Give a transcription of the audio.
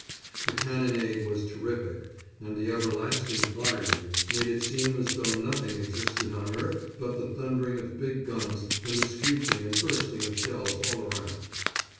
The cannonade was terrific, and the everlasting firing made it seem as though nothing existed on earth but the thundering of big guns and the screeching and bursting of shells all around.